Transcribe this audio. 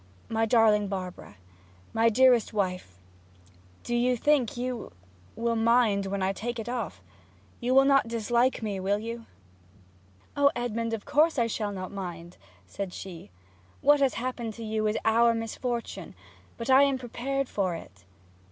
'My darling Barbara my dearest wife do you think you will mind when I take it off? You will not dislike me will you?' 'O Edmond, of course I shall not mind,' said she. 'What has happened to you is our misfortune; but I am prepared for it.'